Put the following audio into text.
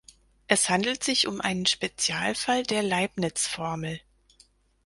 Es handelt sich um einen Spezialfall der Leibniz-Formel.